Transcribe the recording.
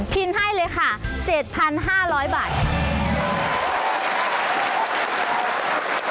ให้เลยค่ะ๗๕๐๐บาท